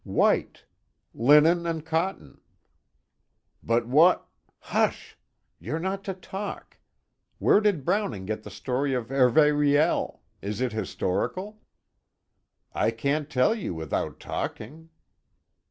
"White. Linen and cotton." "But what " "Hush! You're not to talk. Where did Browning get the story of Hervé Riel? Is it historical?" "I can't tell you without talking."